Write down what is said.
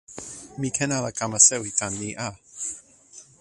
mi ken ala kama sewi tan ni a.